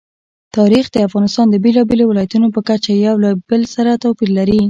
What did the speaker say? تاریخ د افغانستان د بېلابېلو ولایاتو په کچه یو له بل سره توپیر لري.